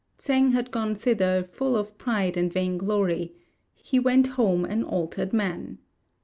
Tsêng had gone thither full of pride and vainglory; he went home an altered man.